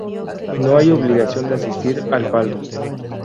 No hay obligación de asistir al palo.